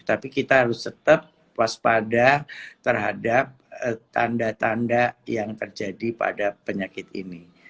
tapi kita harus tetap waspada terhadap tanda tanda yang terjadi pada penyakit ini